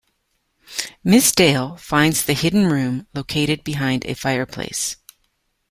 Miss Dale finds the hidden room, located behind a fireplace.